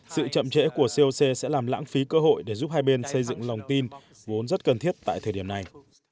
sự chậm trễ của coc sẽ làm lãng phí cơ hội để giúp hai bên xây dựng lòng tin vốn rất cần thiết tại thời điểm này